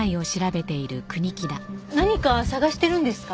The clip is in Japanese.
何か捜してるんですか？